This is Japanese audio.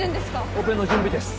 オペの準備です